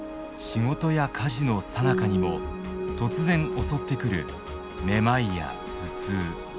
仕事や家事のさなかにも突然襲ってくるめまいや頭痛。